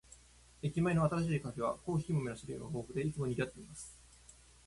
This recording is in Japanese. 駅前の新しいカフェは、コーヒー豆の種類が豊富で、いつも賑わっています。